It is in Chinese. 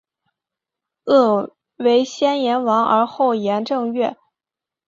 曷为先言王而后言正月？